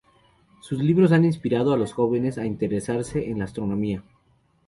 Sus libros han inspirado a los jóvenes a interesarse en la astronomía.